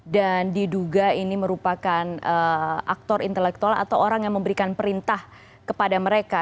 dan diduga ini merupakan aktor intelektual atau orang yang memberikan perintah kepada mereka